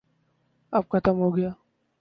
اب ختم ہوگیا۔